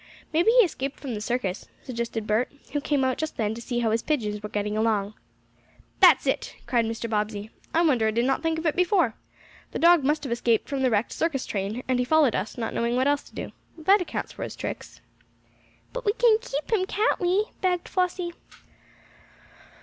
"Maybe he escaped from the circus," suggested Bert, who came out just then to see how his pigeons were getting along. "That's it!" cried Mr. Bobbsey. "I wonder I did not think of it before. The dog must have escaped from the wrecked circus train, and he followed us, not knowing what else to do. That accounts for his tricks." "But we can keep him; can't we?" begged Flossie.